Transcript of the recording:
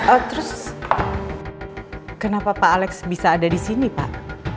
oh terus kenapa pak alex bisa ada di sini pak